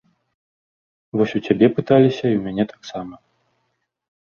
Вось у цябе пыталіся, і ў мяне таксама.